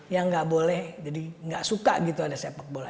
yang nggak boleh jadi nggak suka gitu ada sepak bola